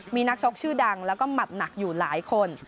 มีนักชกชื่อดังแล้วก็หมัดหนักอยู่หลายคน